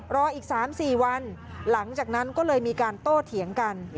รออีก๓๔วันหลังจากนั้นก็เลยมีการโต้เถียงกัน